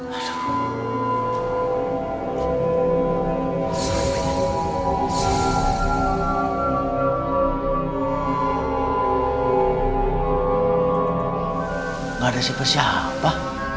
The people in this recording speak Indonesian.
gak ada siapa siapa